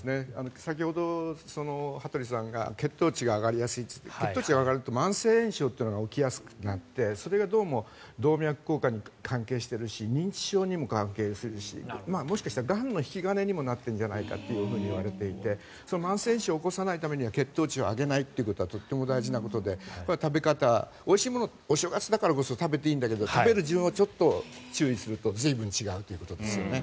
先ほど羽鳥さんが血糖値が上がりやすいって言って血糖値が上がると慢性炎症というのが起こりやすくなってそれがどうも動脈硬化に関係しているし認知症にも関係するしもしかしたら、がんの引き金にもなってるんじゃないかって言われていて慢性炎症を起こさないためには血糖値を上げないってことがとても大事なことでそれは食べ方おいしいもの、お正月だからこそ食べていいんだけど食べる順をちょっと注意すると随分違うということですね。